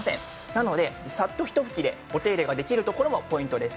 なのでサッとひと拭きでお手入れができるところもポイントです。